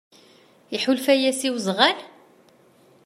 Iḥulfa-yas i wezɣal?